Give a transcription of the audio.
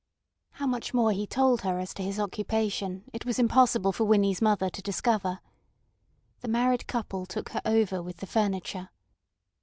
How much more he told her as to his occupation it was impossible for Winnie's mother to discover. The married couple took her over with the furniture.